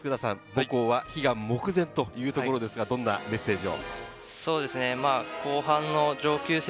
佃さん、母校は悲願目前というところですが、どんなメッセージを？